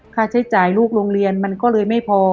ค่าใช้จ่ายลูกโรงเรียนมันก็เลยไม่พอ